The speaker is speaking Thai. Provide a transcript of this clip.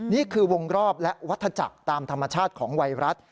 นี่คือวงรอบและวัตถจักรตามธรรมชาติของไวรัส